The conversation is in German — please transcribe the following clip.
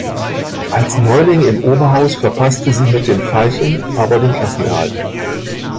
Als Neuling im Oberhaus verpasste sie mit den „Veilchen“ aber den Klassenerhalt.